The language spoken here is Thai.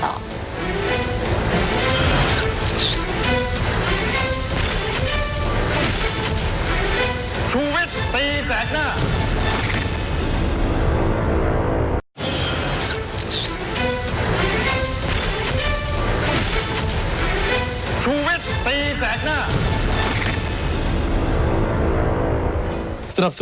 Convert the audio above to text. ของ๑๔๐สาขา